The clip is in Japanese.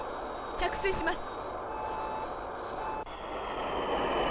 着水します。